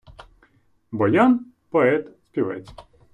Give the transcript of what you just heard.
Боян — поет, співець